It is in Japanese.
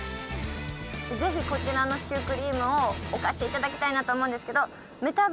ぜひこちらのシュークリームを置かせて頂きたいなと思うんですけど。